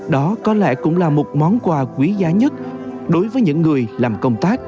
đó có lẽ cũng là một món quà quý giá nhất đối với những người làm công tác